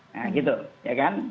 nah gitu ya kan